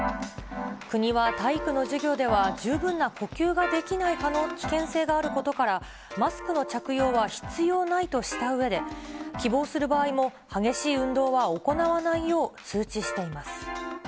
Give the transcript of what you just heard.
国は体育の授業では十分な呼吸ができない危険性があることから、マスクの着用は必要ないとしたうえで、希望する場合も、激しい運動は行わないよう、通知しています。